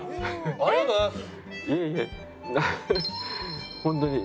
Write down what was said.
ありがとうございます。